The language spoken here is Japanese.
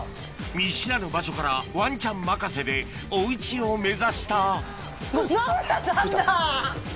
見知らぬ場所からワンちゃん任せでおウチを目指した何だ何だ！